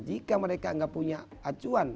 jika mereka tidak punya acuan